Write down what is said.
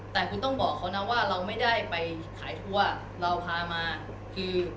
แต่คุณต้องบอกเขานะว่าเราไม่ได้ไปขายทั่วเราพามาคือ